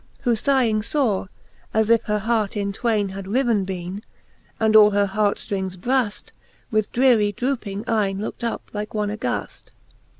Who fighing fore, as if her hart in twain e Had riven bene, and all her hart ftrings braft, With drearie drouping eyne lookt up like one aghaft.